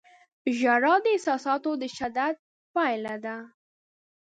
• ژړا د احساساتو د شدت پایله ده.